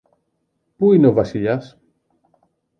Πού είναι ο Βασιλιάς;